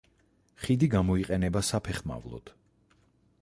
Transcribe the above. ხიდი გამოიყენება საფეხმავლოდ.